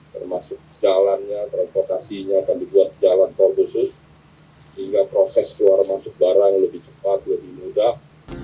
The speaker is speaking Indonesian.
termasuk jalannya transportasinya akan dibuat jalan korpusus hingga proses keluar masuk barang lebih cepat dan mudah